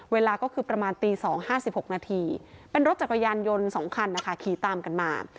เวลาก็คือประมาณตี๒๕๖นาทีเป็นรถจักรยานยนต์๒คันนะคะขี่ตามกันมา